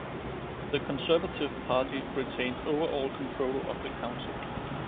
The Conservative Party retained overall control of the council.